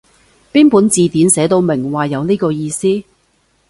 邊本字典寫到明話有呢個意思？